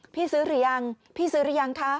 ซื้อหรือยังพี่ซื้อหรือยังคะ